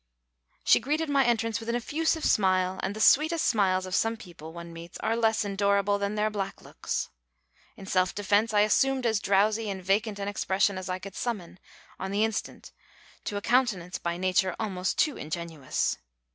She greeted my entrance with an effusive smile; and the sweetest smiles of some people one meets are less endurable than their black looks. In self defence I assumed as drowsy and vacant an expression as I could summon on the instant to a countenance by nature almost too ingenuous.